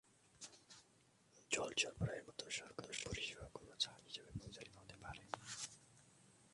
জল সরবরাহের মতো সরকারি পরিষেবাগুলি ছাড় হিসাবে পরিচালিত হতে পারে।